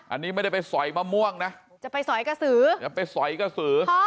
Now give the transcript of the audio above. อันนี้ไม่ได้ไปสอยมะม่วงนะจะไปสอยกระสือจะไปสอยกระสือ